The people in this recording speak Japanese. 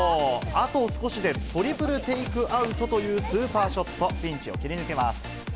あと少しでトリプルテイクアウトというスーパーショット。ピンチを切り抜けます。